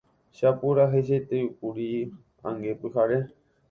Che apuraheisetereíkuri ange pyhare.